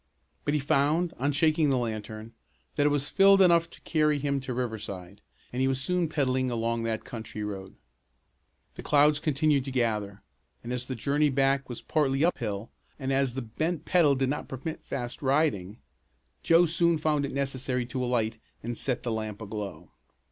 But he found, on shaking the lantern, that it was filled enough to carry him to Riverside, and he was soon pedaling along that country road. The clouds continued to gather, and as the journey back was partly up hill, and as the bent pedal did not permit of fast riding, Joe soon found it necessary to alight and set the lamp aglow.